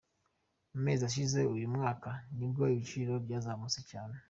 Mu mezi ashize y’uyu mwaka, nibwo ibiciro byazamutse cyane.